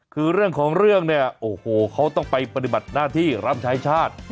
คือเรื่องของเรื่องเนี่ยโอ้โหเขาต้องไปปฏิบัติหน้าที่รับใช้ชาติ